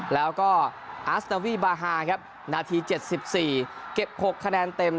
แล้วก็อาสตาวีบาฮาครับนาที๗๔เก็บ๖คะแนนเต็ม